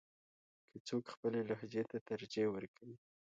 که څوک خپلې لهجې ته ترجیح ورکوي.